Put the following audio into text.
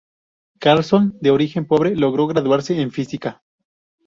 Carlson, de origen pobre, logró graduarse en física.